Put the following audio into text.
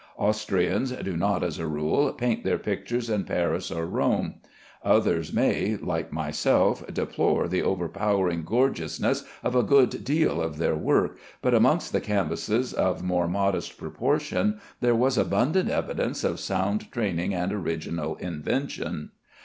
Austrians, do not, as a rule, paint their pictures in Paris or Rome. Others may, like myself, deplore the overpowering gorgeousness of a good deal of their work, but amongst the canvasses of more modest proportion there was abundant evidence of sound training and original invention.